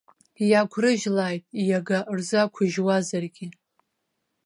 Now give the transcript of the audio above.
Иақәрыжьлааит иага рзақәыжьуазаргьы.